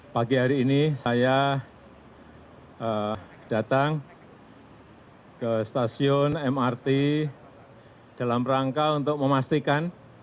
pagi hari ini saya datang ke stasiun mrt dalam rangka untuk memastikan